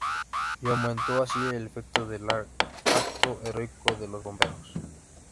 Y aumento así el efecto del acto heroico de los bomberos.